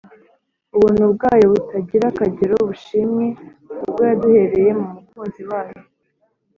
‘‘Ubuntu bwayo butagira akagero bushimwe ubwo yaduhereye mu Mukunzi wayo.